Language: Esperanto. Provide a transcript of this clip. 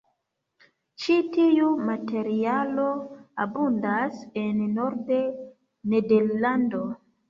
Ĉi tiu materialo abundas en Nord-Nederlando.